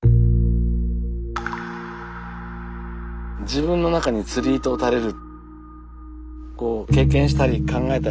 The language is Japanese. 自分の中に釣り糸を垂れる。